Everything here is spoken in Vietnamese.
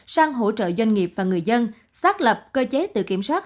sang hỗ trợ doanh nghiệp và người dân xác lập cơ chế tự kiểm soát